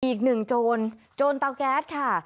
อีกหนึ่งโจรโจรเตาแก๊สค่ะ